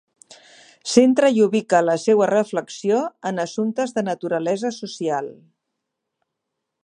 Centre i ubique la seua reflexió en assumptes de naturalesa social.